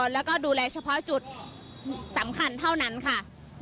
แล้วก็ดูแลเฉพาะจุดสำคัญเท่านั้นค่ะ